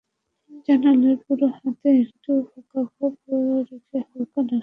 জানালেন, পুরো হাতে একটু ফাঁকাভাব রেখে হালকা নকশার মেহেদির এখন বেশ চাহিদা।